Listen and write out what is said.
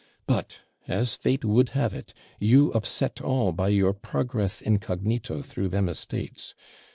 But, as fate would have it, you upset all by your progress INCOGNITO through them estates.